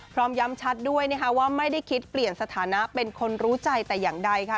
พร้อมย้ำชัดด้วยนะคะว่าไม่ได้คิดเปลี่ยนสถานะเป็นคนรู้ใจแต่อย่างใดค่ะ